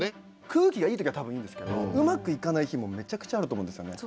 空気がいい時は多分いいんですけどうまくいかない日もめちゃくちゃあると思うんですよね。